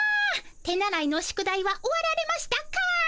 手習いの宿題は終わられましたか？